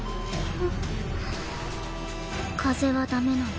風はダメなの。